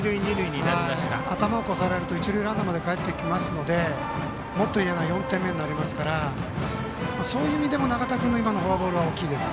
頭を越されると一塁ランナーまで戻ってきますのでもっと嫌な４点目になりますからそういう意味でも今の永田君のフォアボールは大きいです。